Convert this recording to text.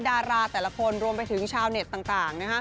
ดาราแต่ละคนรวมไปถึงชาวเน็ตต่าง